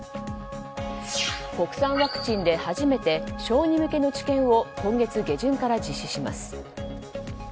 国産ワクチンで初めて小児向けの治験を今月下旬から実施します。